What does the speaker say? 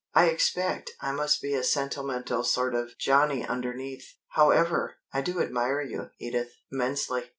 I expect I must be a sentimental sort of Johnny underneath. However, I do admire you, Edith, immensely.